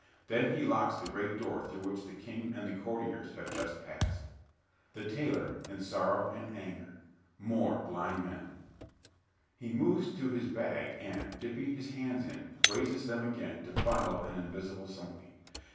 Then he locks the great door through which the King and the Courtiers have just passed._) THE TAILOR (in sorrow and anger) More blind men. (_He moves to his bag and, dipping his hands in, raises them again to fondle an invisible something.